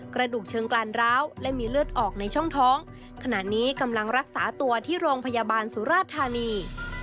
กระดูกเชิงกลานร้าวและมีเลือดออกในช่องท้องขณะนี้กำลังรักษาตัวที่โรงพยาบาลสุราธานี